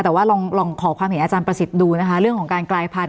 แต่ว่าลองขอความเห็นอาจารย์ประสิทธิ์ดูนะคะเรื่องของการกลายพันธ